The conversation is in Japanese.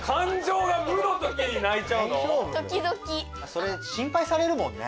それ心ぱいされるもんね。